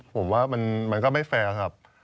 ผมว่ามันก็ไม่แฟร์ครับ